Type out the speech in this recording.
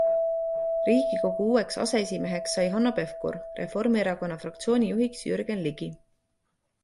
Riigikogu uueks aseesimeheks sai Hanno Pevkur, Reformierakonna fraktsiooni juhiks Jürgen Ligi.